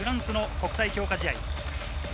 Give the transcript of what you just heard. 日本対フランスの国際強化試合。